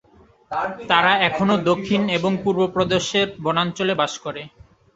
তারা এখনও দক্ষিণ এবং পূর্ব প্রদেশের বনাঞ্চলে বাস করে।